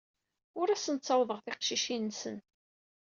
Ur asen-ttawḍeɣ tiqcicin-nsen.